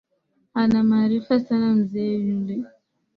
Anamaarifa sana mzee yule